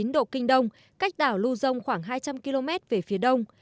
một trăm hai mươi ba chín độ kinh đông cách đảo lưu dông khoảng hai trăm linh km về phía đông